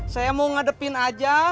saya mau ngadepin aja